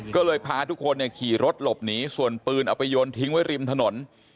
ก็เลยพาทุกคนขี่รถหลบหนีส่วนปืนเอาไปโยนทิ้งไว้ริมถนน